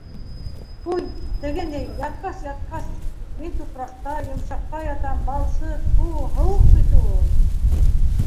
Ҡуй, теге ни, ятҡас-ятҡас, мин тупраҡта, йомшаҡта ятам, балсыҡ, фу, һыуыҡ бит ул...